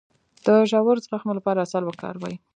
د ژور زخم لپاره عسل وکاروئ